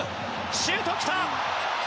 シュート、来た！